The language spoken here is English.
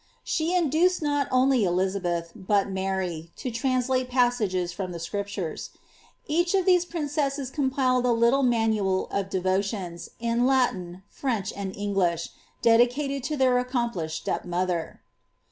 She induced not only Elizabeili, but Mary, to translate passages from the Scriptures. Each of these princesses compiled a little manual of devotions, in I^tin, French, and English, dedicated to their accomplished step mother.'